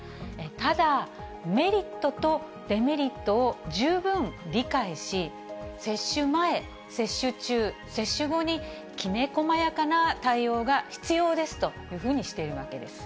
ただ、メリットとデメリットを十分理解し、接種前、接種中、接種後にきめ細やかな対応が必要ですというふうにしているわけです。